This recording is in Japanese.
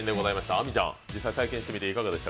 亜美ちゃん、実際体験してみていかがでした？